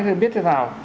rồi biết thế nào